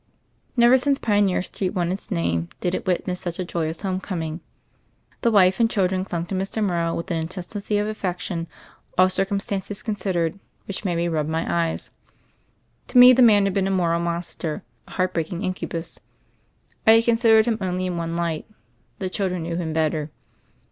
Never since Pioneer Street won its name did it witness such a joyous homecoming. The wife and children clung to Mr. Morrow with an in tensity of affection, all ci]:cumstances consid THE FAIRY OF THE SNOWS 217 ered, which made me rub my eyes. To me the man had been a moral monster, a heart breaking incubus. I had considered him only in one light: the children knew him better.